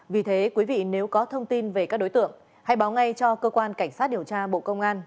vì thế quý vị nếu có thông tin về các đối tượng hãy báo ngay cho cơ quan cảnh sát điều tra bộ công an